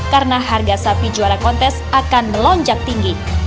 karena harga sapi juara kontes akan melonjak tinggi